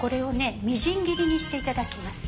みじん切りにしていただきます。